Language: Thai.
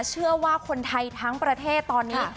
เชื่อว่าคนไทยทั้งประเทศตอนนี้